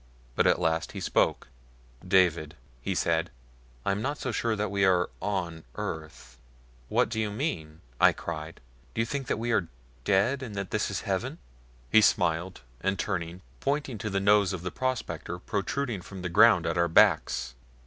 But at last he spoke. "David," he said, "I am not so sure that we are ON earth." "What do you mean, Perry?" I cried. "Do you think that we are dead, and this is heaven?" He smiled, and turning, pointing to the nose of the prospector protruding from the ground at our backs.